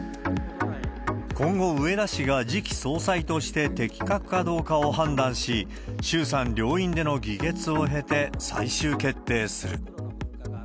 今後、植田氏が次期総裁として適格かどうかを判断し、衆参両院での議決を経て、最終決定する。